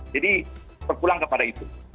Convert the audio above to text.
jadi berpulang kepada itu